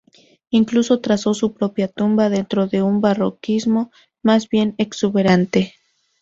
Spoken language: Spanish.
Incluso trazó su propia tumba, dentro de un barroquismo más bien exuberante.